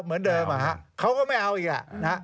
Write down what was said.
เหมือนเดิมเขาก็ไม่เอาอีก